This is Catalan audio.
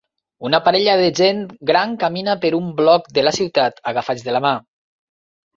Una parella de gent gran camina per un bloc de la ciutat, agafats de la mà.